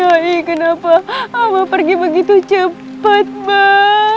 ay kenapa abah pergi begitu cepat mbak